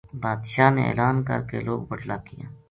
باد شاہ نے اعلان کر کے لوک بٹلا کیا